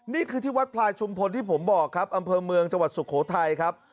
นี่คือที่วัดพลายชุมพลที่ผมบอกครับอำเภอเมืองจังหวัดสุโขทัยครับ